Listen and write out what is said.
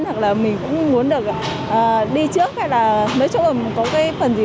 hoặc là mình cũng muốn được đi trước hay là nói chung là có cái phần gì